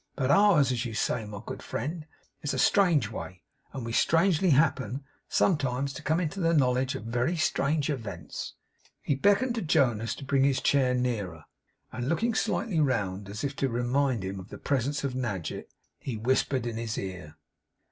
But ours, as you say, my good friend, is a strange way; and we strangely happen, sometimes, to come into the knowledge of very strange events.' He beckoned to Jonas to bring his chair nearer; and looking slightly round, as if to remind him of the presence of Nadgett, whispered in his ear.